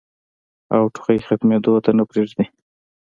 او ټوخی ختمېدو ته نۀ پرېږدي